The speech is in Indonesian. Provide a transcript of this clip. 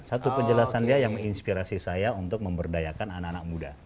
satu penjelasan dia yang menginspirasi saya untuk memberdayakan anak anak muda